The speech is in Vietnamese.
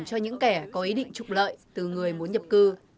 cho những kẻ có ý định trục lợi từ người muốn nhập cư